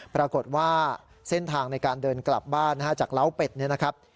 ปรากฏว่าเส้นทางในการเดินกลับบ้านนะฮะจากเล้าเป็ดเนี่ยนะครับ